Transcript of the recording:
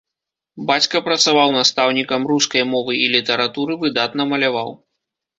Бацька працаваў настаўнікам рускай мовы і літаратуры, выдатна маляваў.